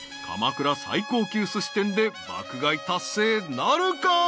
鎌倉最高級すし店で爆買い達成なるか？］